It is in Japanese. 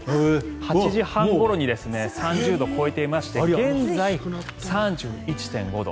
８時半ごろに３０度を超えていまして現在、３１．５度。